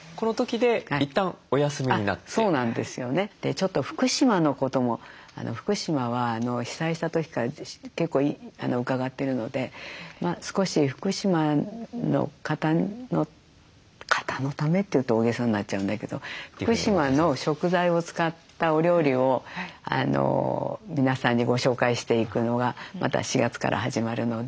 ちょっと福島のことも福島は被災した時から結構伺ってるので少し福島の方の方のためって言うと大げさになっちゃうんだけど福島の食材を使ったお料理を皆さんにご紹介していくのがまた４月から始まるので。